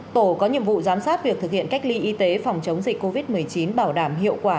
tổ có nhiệm vụ giám sát việc thực hiện cách ly y tế phòng chống dịch covid một mươi chín bảo đảm hiệu quả